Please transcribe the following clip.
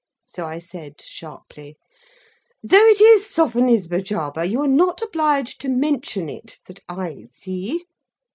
So I said, sharply: "Though it is Sophonisba, Jarber, you are not obliged to mention it, that I see."